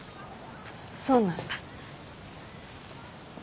そうなんだ。